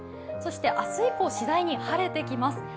そして明日以降、次第に晴れてきます。